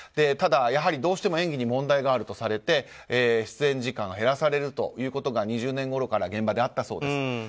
ただどうしても演技に問題があるとされ出演時間を減らされるということが、２０年ごろから現場であったそうです。